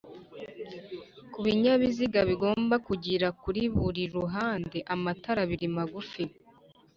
Ku binyabiziga bigomba kugira kuri buri ruhande amatara abiri magufi